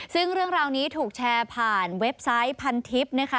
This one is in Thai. ซึ่งเรื่องราวนี้ถูกแชร์ผ่านเว็บไซต์พันทิพย์นะคะ